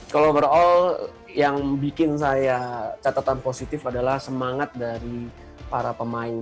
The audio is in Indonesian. kalau overall yang bikin saya catatan positif adalah semangat dari para pemain